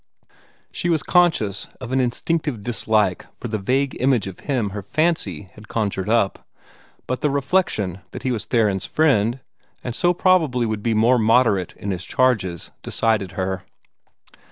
She was conscious of an instinctive dislike for the vague image of him her fancy had conjured up, but the reflection that he was Theron's friend, and so probably would be more moderate in his charges, decided her.